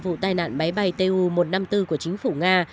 vụ tai nạn máy bay tu một trăm năm mươi bốn của chính phủ nga